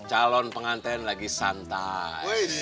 calon pengantin lagi santai